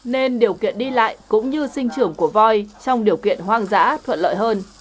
nên điều kiện đi lại cũng như sinh trưởng của voi trong điều kiện hoang dã thuận lợi hơn